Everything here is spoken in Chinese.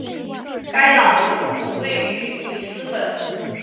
该党的总部位于里斯本。